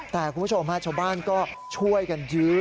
แต่คุณผู้ชมฮะชาวบ้านก็ช่วยกันยื้อ